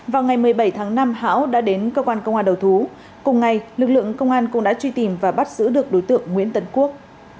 vào ngày một mươi bảy tháng năm hảo đã đến cơ quan công an đầu thú cùng ngày lực lượng công an cũng đã truy tìm và bắt giữ được đối tượng nguyễn tấn quốc